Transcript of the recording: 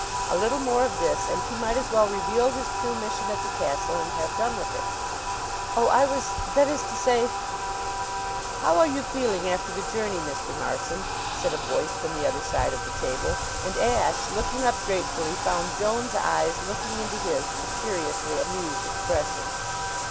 A little more of this and he might as well reveal his true mission at the castle and have done with it. "Oh, I was that is to say " "How are you feeling after the journey, Mr. Marson?" said a voice from the other side of the table; and Ashe, looking up gratefully, found Joan's eyes looking into his with a curiously amused expression.